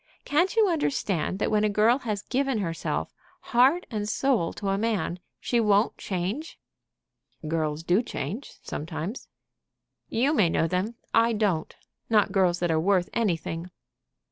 Can't you understand that when a girl has given herself, heart and soul, to a man, she won't change?" "Girls do change sometimes." "You may know them; I don't, not girls that are worth anything."